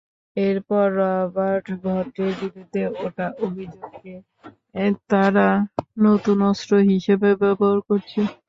এরপর রবার্ট ভদ্রের বিরুদ্ধে ওঠা অভিযোগকে তারা নতুন অস্ত্র হিসেবে ব্যবহার করছে।